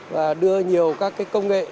và đưa nhiều công nghệ